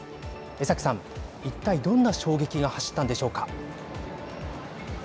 江崎さん、一体どんな衝撃が走ったんでしょうか。